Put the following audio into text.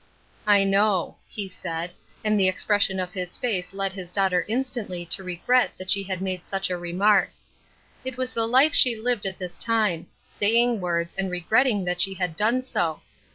" I know," he said, and the expression of his face led his daughter instantly to regret that she had made such a remark. It was the life she lived at this time — saying words, and regretting that she had done so.